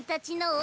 お！